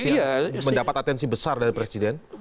berarti mendapat atensi besar dari presiden